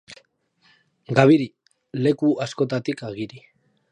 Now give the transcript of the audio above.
Gabiri: leku askotatik agiri.